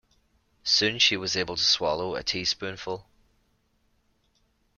Soon she was able to swallow a teaspoonful.